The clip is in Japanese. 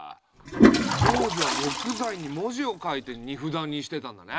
当時は木材に文字を書いて荷札にしてたんだね。